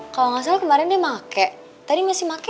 kalo gak salah kemarin dia pake